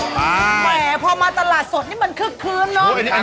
แหม่พอมาตลาดสดนี่มันเครื่องเนอะ